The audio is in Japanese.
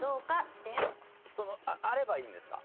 あればいいんですか？